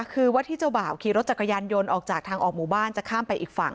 คือวัดที่เจ้าบ่าวขี่รถจักรยานยนต์ออกจากทางออกหมู่บ้านจะข้ามไปอีกฝั่ง